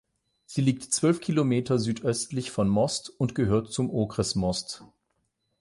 Sie liegt zwölf Kilometer südöstlich von Most und gehört zum Okres Most.